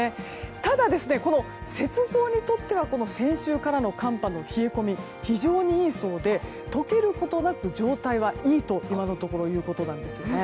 ただ、雪像にとっては先週からの寒波の冷え込みが非常にいいそうで解けることなく今のところ状態はいいということです。